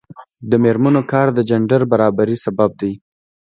د میرمنو کار د جنډر برابري سبب دی.